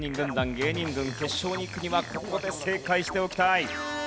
芸人軍決勝に行くにはここで正解しておきたい。